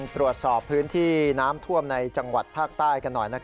ตรวจสอบพื้นที่น้ำท่วมในจังหวัดภาคใต้กันหน่อย